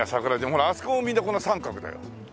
ほらあそこもみんな三角だよ。